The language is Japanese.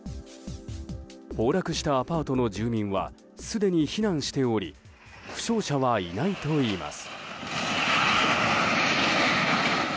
崩落したアパートの住民はすでに避難しており負傷者はいないといいます。